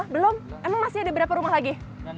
belum emang masih ada berapa rumah lagi